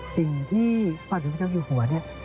สิ่งที่พระบาทสมียพเจ้าอยู่หัว